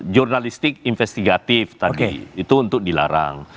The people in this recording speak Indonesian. jurnalistik investigatif tadi itu untuk dilarang